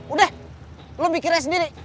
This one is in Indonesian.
udah lo mikirin sendiri